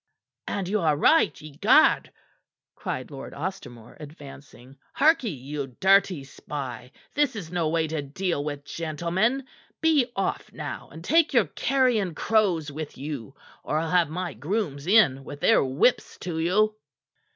"And you are right, egad!" cried Lord Ostermore, advancing. "Harkee, you dirty spy, this is no way to deal with gentlemen. Be off, now, and take your carrion crows with you, or I'll have my grooms in with their whips to you."